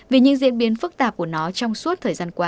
vì những diễn biến phức tạp của nó trong suốt thời gian qua